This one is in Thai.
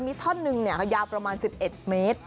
มีท่อนหนึ่งยาวประมาณ๑๑เมตร